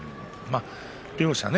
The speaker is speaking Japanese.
両者はね